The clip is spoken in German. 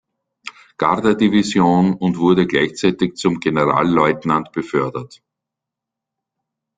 Garde-Division und wurde gleichzeitig zum Generalleutnant befördert.